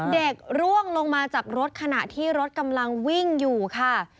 ร่วงลงมาจากรถขณะที่รถกำลังวิ่งอยู่ค่ะ